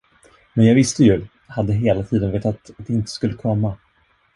Men jag visste ju, hade hela tiden vetat att det inte skulle komma!